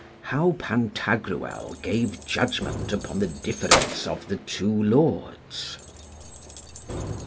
How Pantagruel gave judgment upon the difference of the two lords.